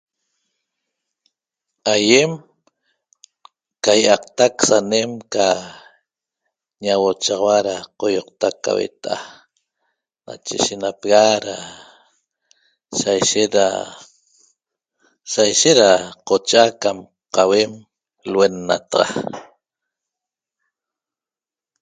Aiem ca ia'aqtac sanem ca ñauochaxaua ra qoioqta ca hueta'a nache shenapega ra saishet ra, saishet ra qocha' cam qauem lhuennataxa